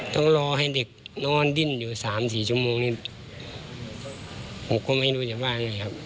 ต้องรอให้เด็กนอนดิ้นอยู่๓๔ชั่วโมงนี้ผมก็ไม่รู้จะว่าอย่างงี้ครับ